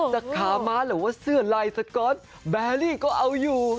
จะขาม้าหรือว่าเสื้อลายสก๊อตแบรี่ก็เอาอยู่